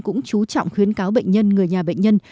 cũng chú trọng khuyến cáo bệnh nhân người nhà bệnh nhân